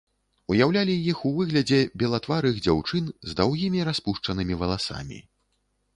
Уяўлялі іх у выглядзе белатварых дзяўчын з даўгімі распушчанымі валасамі.